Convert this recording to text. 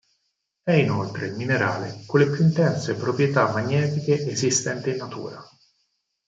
È inoltre il minerale con le più intense proprietà magnetiche esistente in natura.